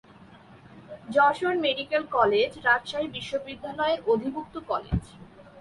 Jessore medical college Rajshahi বিশ্ববিদ্যালয়ের অধিভুক্ত college.